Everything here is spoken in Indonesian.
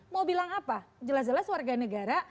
mau bilang apa jelas jelas warga negara